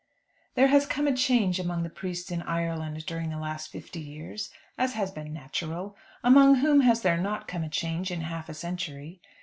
There has come a change among the priests in Ireland during the last fifty years, as has been natural. Among whom has there not come a change in half a century?